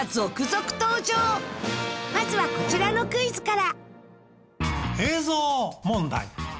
まずはこちらのクイズから。